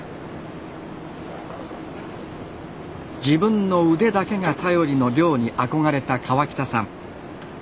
自分の腕だけが頼りの漁に憧れた河北さん。